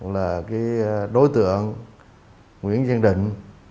là đối tượng nguyễn diên định